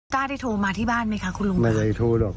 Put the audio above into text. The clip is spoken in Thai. กล้าได้โทรมาที่บ้านไหมคะคุณลุงไม่เคยโทรหรอก